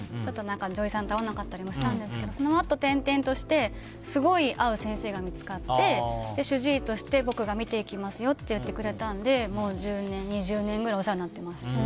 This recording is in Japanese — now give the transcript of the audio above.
女医さんと合わなかったりしたんですけどそのあと転々としてすごい合う先生が見つかって主治医として僕が診ていきますよと言ってくれたのでもう１０年、２０年ぐらいお世話になってます。